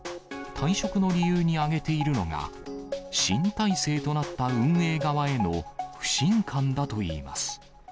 退職の理由に挙げているのが、新体制となった運営側への不信感だといいます。